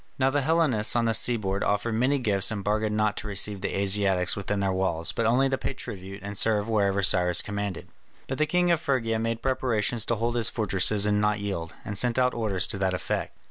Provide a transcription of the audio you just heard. Now the Hellenes on the seaboard offered many gifts and bargained not to receive the Asiatics within their walls, but only to pay tribute and serve wherever Cyrus commanded. But the king of Phrygia made preparations to hold his fortresses and not yield, and sent out orders to that effect.